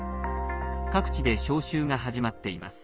各地で招集が始まっています。